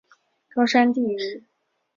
高山地榆是蔷薇科地榆属的植物。